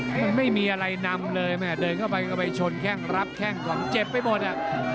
มันไม่มีอะไรนำเลยแม่เดินเข้าไปก็ไปชนแข้งรับแข้งขวางเจ็บไปหมดอ่ะ